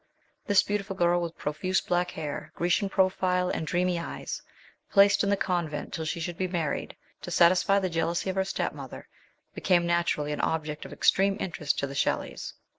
This beautiful girl, with profuse black hair, Grecian pro file, and dreamy eyes, placed in the convent till she should be married, to satisfy the jealousy of her step mother, became naturally an object of extreme interest 9 the Shelleys.